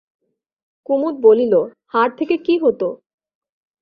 কুমুদ বলিল, হার থেকে কী হত?